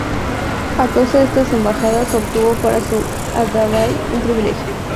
A causa de estas embajadas obtuvo para su abadía un privilegio.